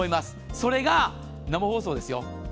それが、生放送ですよ